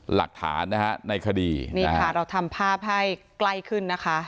หลักฐานนะฮะในคดีนี่ค่ะเราทำภาพให้ใกล้ขึ้นนะคะ